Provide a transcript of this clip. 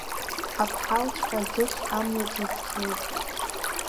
Аԥҳалҵәҟьа аӡыхь амҩаҿы иԥҽуеит…